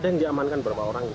ada yang diamankan berapa orang